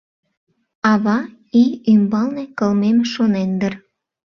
Ава ий ӱмбалне кылмем, шонен дыр...